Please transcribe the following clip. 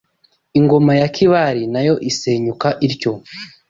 Ingoma ya Kibali nayo isenyuka ityo